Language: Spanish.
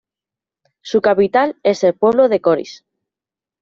Su capital es el pueblo de Coris.